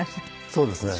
そうですね。